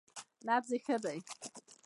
_نبض يې ښه دی.